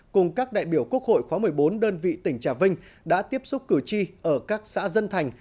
cùng các đại biểu quốc hội khóa một mươi bốn đơn vị tỉnh trà vinh đã tiếp xúc cử tri ở các xã dân thành